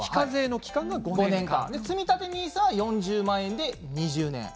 つみたてＮＩＳＡは４０万円で２０年間。